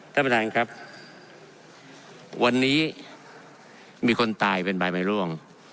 ท่านประธานครับวันนี้มีคนตายเป็นใบไม้ร่วง